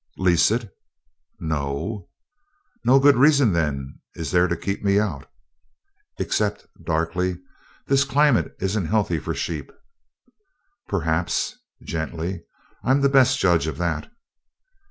"Lease it?" "N no." "No good reason then is there to keep me out?" "Except," darkly, "this climate isn't healthy for sheep." "Perhaps," gently, "I'm the best judge of that."